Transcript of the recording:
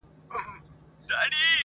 د عذابونو د دوږخیانو.